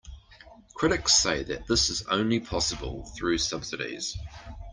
Critics say that this is only possible through subsidies.